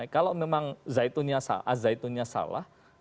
kalau memang al zaitunnya salah